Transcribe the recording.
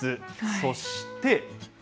そして。